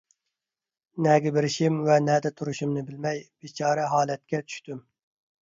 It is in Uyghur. نەگە بېرىشىم ۋە نەدە تۇرۇشۇمنى بىلمەي بىچارە ھالەتكە چۈشتۈم.